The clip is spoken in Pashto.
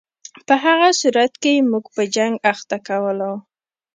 په هغه صورت کې یې موږ په جنګ اخته کولای.